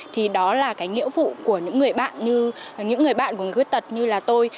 thì đó là cái nghĩa vụ của những người bạn của người khuyết tật như là tôi